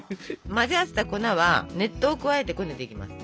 混ぜ合わせた粉は熱湯を加えてこねていきます。